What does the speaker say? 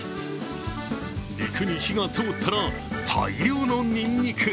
肉に火が通ったら大量のにんにく。